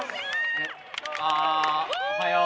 えあおはよう。